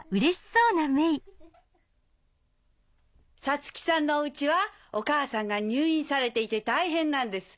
サツキさんのお家はお母さんが入院されていて大変なんです。